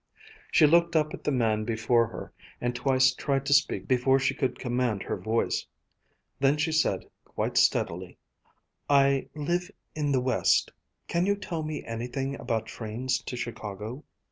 She looked up at the man before her and twice tried to speak before she could command her voice. Then she said quite steadily: "I live in the West. Can you tell me anything about trains to Chicago?"